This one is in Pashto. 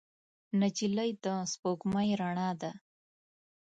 نجلۍ د سپوږمۍ رڼا ده.